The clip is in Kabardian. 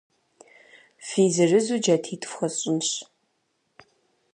Фи зырызу джатитӏ фхуэсщӏынщ.